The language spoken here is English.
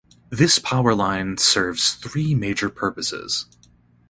This power line serves three major purposes.